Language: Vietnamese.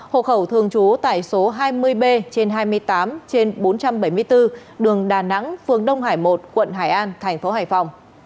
hộ khẩu thường trú tại số hai mươi b trên hai mươi tám trên bốn trăm bảy mươi bốn đường đà nẵng phường đông hải một quận hải an thành phố hải phòng